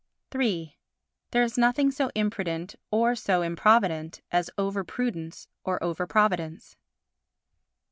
iii There is nothing so imprudent or so improvident as over prudence or over providence.